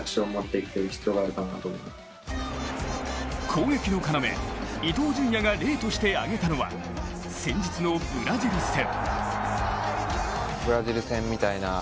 攻撃の要・伊東純也が例として挙げたのは先日のブラジル戦。